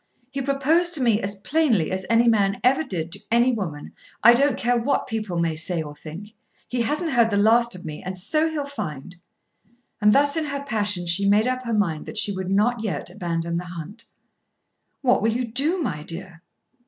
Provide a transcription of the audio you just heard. He proposed to me as plainly as any man ever did to any woman. I don't care what people may say or think. He hasn't heard the last of me; and so he'll find." And thus in her passion she made up her mind that she would not yet abandon the hunt. "What will you do, my dear?"